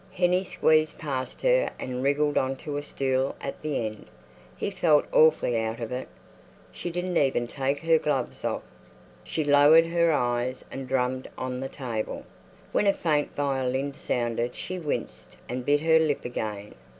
Hennie squeezed past her and wriggled on to a stool at the end. He felt awfully out of it. She didn't even take her gloves off. She lowered her eyes and drummed on the table. When a faint violin sounded she winced and bit her lip again.